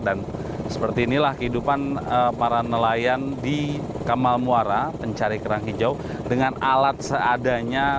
dan seperti inilah kehidupan para nelayan di kamal muara mencari kerang hijau dengan alat seadanya